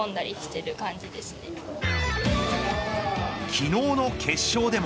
昨日の決勝でも